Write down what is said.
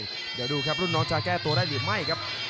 เดี๋ยวดูครับรุ่นน้องจะแก้ตัวได้หรือไม่ครับ